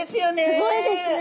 すごいですね。